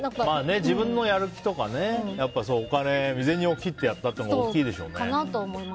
自分のやる気とか、お金身銭を切ってやったというのが大きいでしょうね。